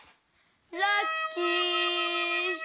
ラッキー！